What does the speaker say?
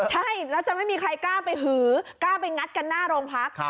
ใช่แล้วจะไม่มีใครกล้าไปหือกล้าไปงัดกันหน้าโรงพัก